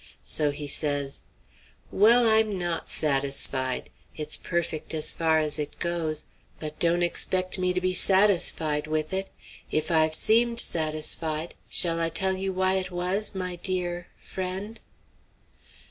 So he says: "Well, I'm not satisfied. It's perfect as far as it goes, but don't expect me to be satisfied with it. If I've seemed satisfied, shall I tell you why it was, my dear friend?"